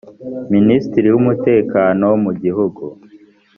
minisitiri w’umutekano mu gihugu